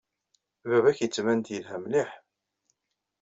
Baba-k yettban-d yelha mliḥ.